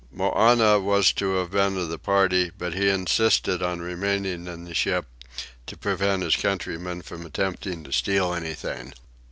Moannah was to have been of the party but he insisted on remaining in the ship to prevent his countrymen from attempting to steal anything.